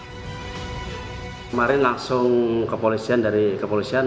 kemarin langsung kepolisian dari kepolisian